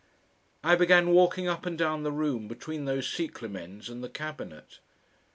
I began walking up and down the room between those cyclamens and the cabinet.